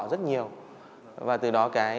rất nhiều và từ đó cái